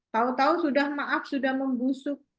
tahu tahu sudah maaf sudah membusuk